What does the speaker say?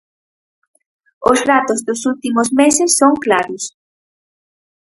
Os datos dos últimos meses son claros.